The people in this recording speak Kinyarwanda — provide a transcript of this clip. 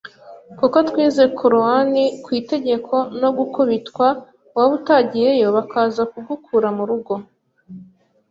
kuko twize coroan ku itegeko no gukubitwa waba utagiyeyo bakaza kugukura mu rugo